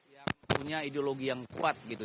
yang punya ideologi yang kuat gitu